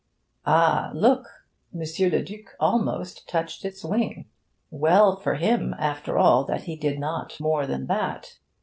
Ah, look! Monsieur Le Duc almost touched its wing! Well for him, after all, that he did not more than that!